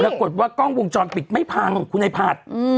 ปรากฏว่ากล้องวงจรปิดไม่พังของคุณไอ้ผัด